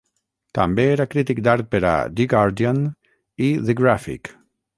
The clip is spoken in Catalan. També era crític d'art per a "The Guardian" i "The Graphic".